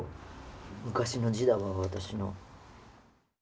昔の字だわ私の。